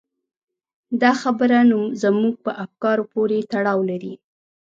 دا خبره نو زموږ په افکارو پورې تړاو لري.